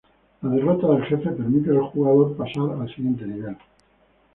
La derrota del jefe permite al jugador pasar al siguiente nivel.